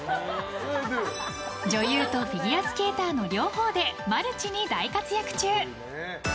女優とフィギュアスケーターの両方でマルチに大活躍中！